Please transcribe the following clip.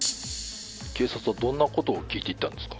警察はどんなことを聞いていったんですか。